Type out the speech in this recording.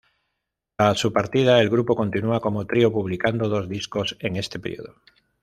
Tras su partida, el grupo continúa como trío, publicando dos discos en este periodo.